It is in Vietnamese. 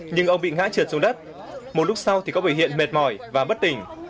nhưng ông bị ngã trượt xuống đất một lúc sau thì có biểu hiện mệt mỏi và bất tỉnh